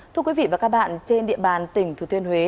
thưa quý vị và các bạn trên địa bàn tỉnh thủy thuyên huế